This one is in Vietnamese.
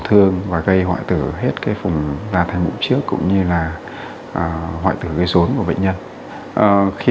thương và gây hoại tử hết cái phùng ra thành bụng trước cũng như là hoại tử gây rốn của bệnh nhân khi